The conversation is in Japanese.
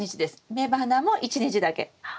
雌花も１日だけ。